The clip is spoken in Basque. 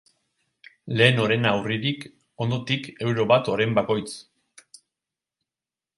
Lehen orena urririk, ondotik euro bat oren bakoitz.